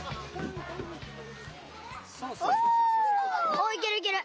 「おいけるいける。